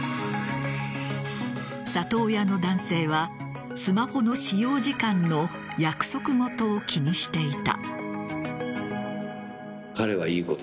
里親の男性はスマホの使用時間の約束事を気にしていた。